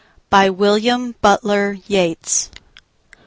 William Butler Yeats.